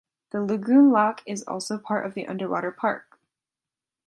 The lagoon Lac is also part of the underwater park.